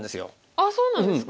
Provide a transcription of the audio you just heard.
あっそうなんですか？